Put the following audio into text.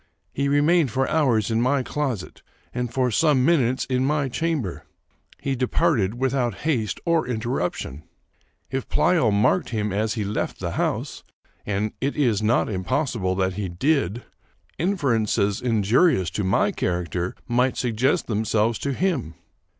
He remained for hours in my closet, and for some minutes in my chamber. He departed without haste or interruption. If Pleyel marked him as he left the house, (and it is not impossible that he did,) in ferences injurious to my character might suggest them selves to him.